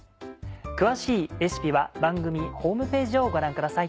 詳しいレシピは番組ホームページをご覧ください。